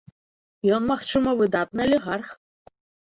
Ён, магчыма, выдатны алігарх.